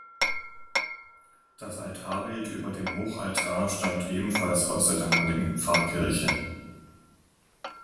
Das Altarbild über dem Hochaltar stammt ebenfalls aus der damaligen Pfarrkirche.